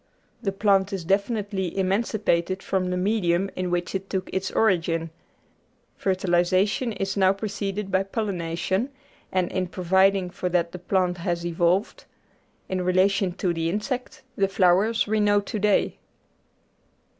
The plant is definitely emancipated from the medium in which it took its origin; fertilisation is now pre ceded by pollination, and in providing for that the plant has evolved, in relation to the insect, the flowers we know to day.